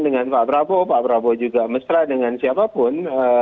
dengan pak prabowo pak prabowo juga mesra dengan siapapun